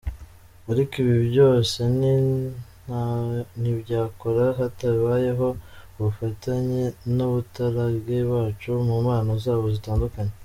Ariko ibi byose ntibyakora hatabayeho ubufatanye n’abaturage bacu mu mpano zabo zitandukanye”.